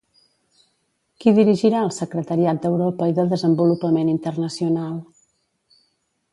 Qui dirigirà el secretariat d'Europa i de desenvolupament internacional?